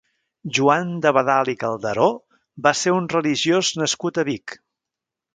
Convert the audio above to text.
Joan d'Abadal i Calderó va ser un religiós nascut a Vic.